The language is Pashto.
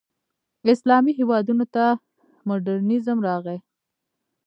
اسلامي هېوادونو ته مډرنیزم راغی.